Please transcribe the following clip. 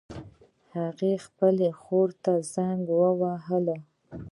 هغې خپلې خور ته زنګ وواهه